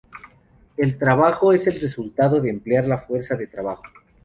El trabajo es el resultado de emplear la fuerza de trabajo.